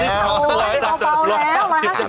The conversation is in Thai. ที่ท็อมตัวแล้ว๑๕๐ล้าน